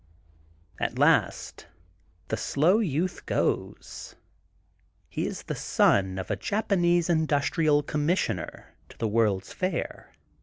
At last the slow youth goes. He is the son of a Japanese Industrial Commissioner to the World 's Fair.